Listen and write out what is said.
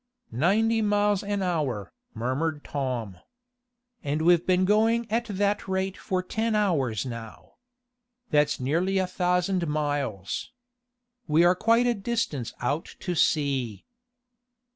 "Ninety miles an hour," murmured Tom. "And we've been going at that rate for ten hours now. That's nearly a thousand miles. We are quite a distance out to sea."